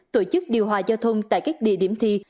tổ chức điều hòa giao thông tại các địa điểm thi